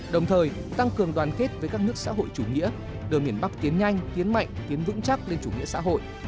đồng thời tăng cường đoàn kết với các nước xã hội chủ nghĩa đưa miền bắc tiến nhanh tiến mạnh tiến vững chắc lên chủ nghĩa xã hội